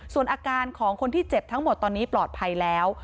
ส่วนอาการของคนที่เจ็บทั้งหมดตอนนี้ปลอดภัยแล้ว